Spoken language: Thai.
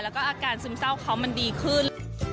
แล้วก็อาการซึมเศร้าเขามันดีขึ้น